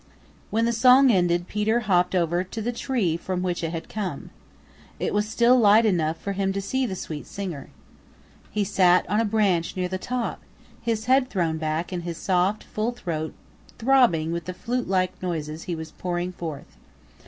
When the song ended Peter hopped over to the tree from which it had come. It was still light enough for him to see the sweet singer. He sat on a branch near the top, his head thrown back and his soft, full throat throbbing with the flute like notes he was pouring forth.